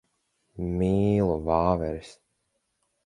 Mīlu vāveres.